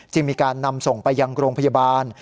มีการนำส่งไปยังโรงพยาบาล